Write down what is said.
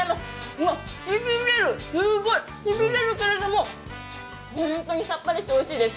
うわ、しびれる、すごいしびれるけれども、本当にさっぱりしておいしいです。